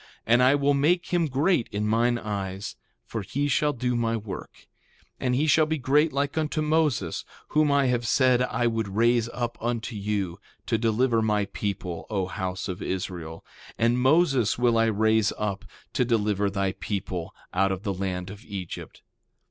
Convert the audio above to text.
And I will make him great in mine eyes; for he shall do my work. 3:9 And he shall be great like unto Moses, whom I have said I would raise up unto you, to deliver my people, O house of Israel. 3:10 And Moses will I raise up, to deliver thy people out of the land of Egypt.